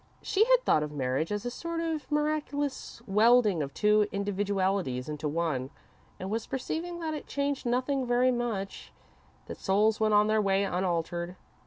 She had thought of marriage as a sort of miraculous welding of two individualities into one, and was perceiving that it changed nothing very much; that souls went on their way unaltered.